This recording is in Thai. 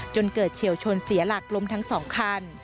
จนเกิดเฉียวชนเสียหลักล้มทั้ง๒คัน